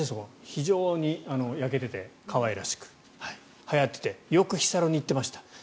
非常に焼けてて可愛らしく、はやっていてよく日サロに行っていました。